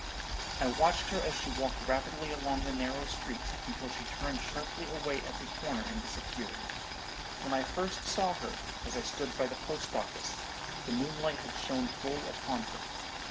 I watched her as she walked rapidly along the narrow street, until she turned sharply away at a corner and disappeared. When I first saw her, as I stood by the post office, the moonlight had shone full upon her.